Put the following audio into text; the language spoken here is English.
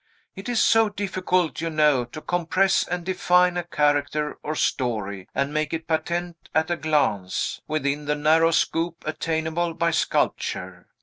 It is so difficult, you know, to compress and define a character or story, and make it patent at a glance, within the narrow scope attainable by sculpture!